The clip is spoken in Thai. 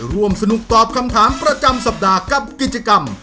ร่วมสนุกตอบคำถามประจำสัปดาห์กับกิจกรรม